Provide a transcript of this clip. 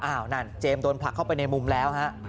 นั่นเจมส์โดนผลักเข้าไปในมุมแล้วฮะ